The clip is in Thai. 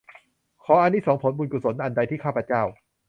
ขออานิสงส์ผลบุญกุศลอันใดที่ข้าพเจ้า